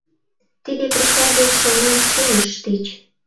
Тиде присяге шыҥа шӱмыш тич